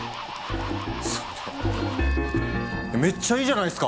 それめっちゃいいじゃないすか！